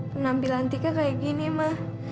penampilan tika kayak gini mah